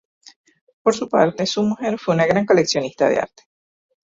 Por su parte, su mujer fue una gran coleccionista de arte.